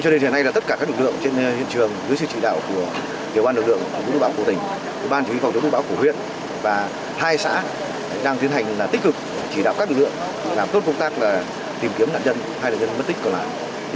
cho nên hiện nay là tất cả các lực lượng trên hiện trường dưới sự chỉ đạo của điều quan lực lượng bộ chủ tịch bộ chủ tịch bộ chủ tịch của huyện và hai xã đang tiến hành tích cực chỉ đạo các lực lượng làm tốt công tác tìm kiếm nạn nhân hai lực lượng mất tích còn lại